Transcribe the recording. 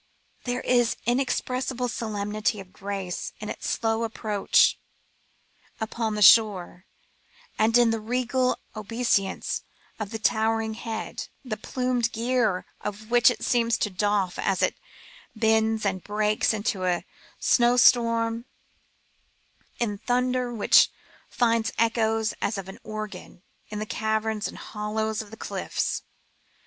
There is inexpressible solemnity of grace in its slow approach upon the shore, and in the regal obeisance of its tower ing head, the plumed gear of which it seems to doff as it bends and breaks into a snowstorm in thunder which finds echoes as of an organ in the caverns and hollows of the cliffs.